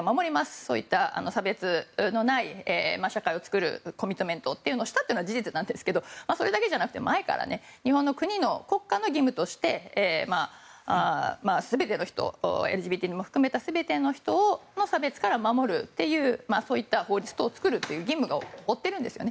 そういった差別のない社会を作るコミットメントというのをしたというのは事実なんですけどそれだけじゃなくて、前から日本の国の国家の義務としてＬＧＢＴも含めた全ての人を差別から守るというそういった法律等を作るという義務を負ってるんですよね。